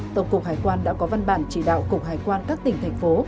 tổng cục hải quan đã có văn bản chỉ đạo cục hải quan các tỉnh thành phố